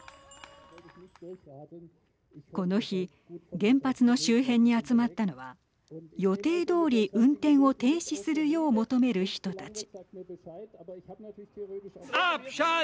この日原発の周辺に集まったのは予定どおり運転を停止するよう求める人たち。